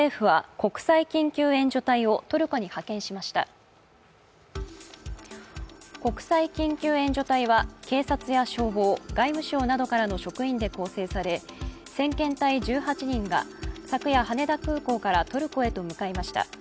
国際緊急援助隊は警察や消防、外務省などからの職員で構成され先遣隊１８人が昨夜羽田空港からトルコへと向かいました。